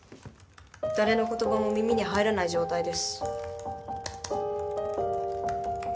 誰の言葉も耳に入らない状態です。